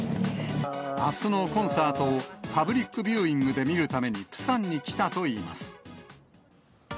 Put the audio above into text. あすのコンサートをパブリックビューイングで見るために、プサンに来たといいます。